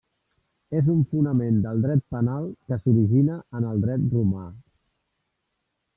És un fonament del dret penal que s'origina en el dret romà.